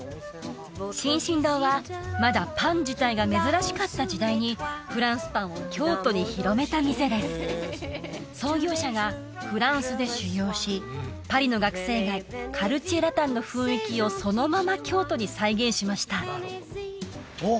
進々堂はまだパン自体が珍しかった時代にフランスパンを京都に広めた店です創業者がフランスで修業しパリの学生街カルチェラタンの雰囲気をそのまま京都に再現しましたおっ